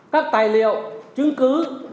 các tài liệu chứng cứ